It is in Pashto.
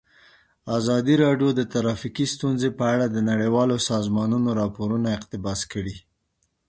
ازادي راډیو د ټرافیکي ستونزې په اړه د نړیوالو سازمانونو راپورونه اقتباس کړي.